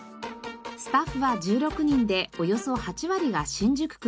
スタッフは１６人でおよそ８割が新宿区在住です。